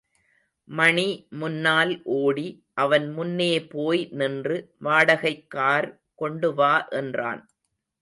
மணி முன்னால் ஓடி, அவன் முன்னே போய் நின்று வாடகைக்கார் கொண்டுவா என்றான்.